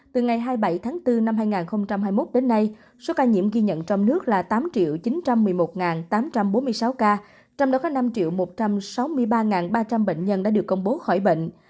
từ ngày hai mươi bảy tháng bốn năm hai nghìn hai mươi một đến nay số ca nhiễm ghi nhận trong nước là tám chín trăm một mươi một tám trăm bốn mươi sáu ca trong đó có năm một trăm sáu mươi ba ba trăm linh bệnh nhân đã được công bố khỏi bệnh